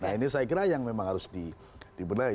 nah ini saya kira yang memang harus dibenahi